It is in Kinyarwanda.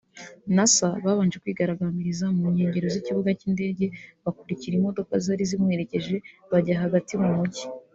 Nasa babanje kwigaragambiriza mu nkengero z’ikibuga cy’indege bakurikira imodoka zari zimuherekeje bajya hagati mu mujyi